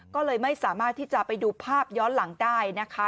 ก็เลยไม่สามารถที่จะไปดูภาพย้อนหลังได้นะคะ